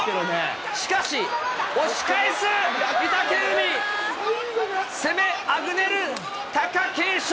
しかし押し返す御嶽海、攻めあぐねる貴景勝。